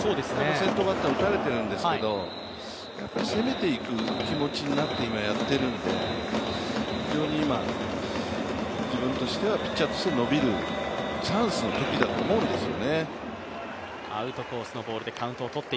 先頭バッター打たれているんですけれども、攻めていく気持ちになって今、やっているんで非常に今、自分としてはピッチャーとして伸びるチャンスのときだと思うんですよね。